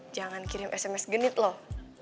jangan kirim sms genit loh